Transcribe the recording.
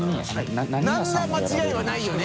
覆鵑間違いはないよね。